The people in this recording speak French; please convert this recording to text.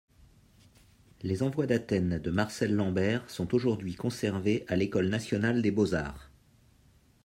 Les envois d'Athènes de Marcel Lambert sont aujourd'hui conservés à l'école nationale des Beaux-Arts.